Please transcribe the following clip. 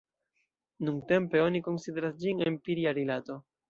Nuntempe oni konsideras ĝin empiria rilato.